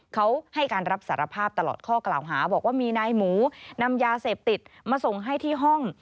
เขาให้การรับสารภาพตลอดข้อกล่าวหาบอกว่ามีนายหมูนำยาเสพติดมาส่งให้ที่ห้อง